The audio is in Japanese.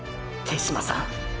手嶋さん！！